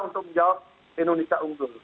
untuk menjawab indonesia unggul